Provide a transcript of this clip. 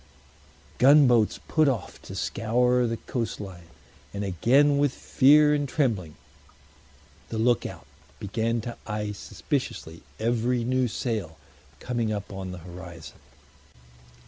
Gunboats put off to scour the coast line; and again with fear and trembling the look out began to eye suspiciously every new sail coming up on the horizon.